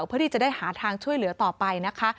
เพื่อที่จะได้หาทางช่วยเหลือต่อไปนะคะ